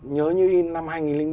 nhớ như năm hai nghìn ba